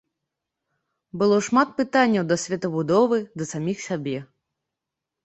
Было шмат пытанняў да светабудовы, да саміх сябе.